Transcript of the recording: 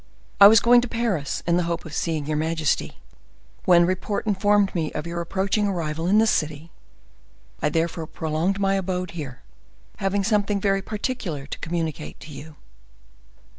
"I was going to Paris, in the hope of seeing your majesty, when report informed me of your approaching arrival in this city. I therefore prolonged my abode here, having something very particular to communicate to you."